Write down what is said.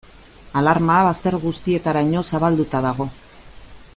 Alarma bazter guztietaraino zabalduta dago.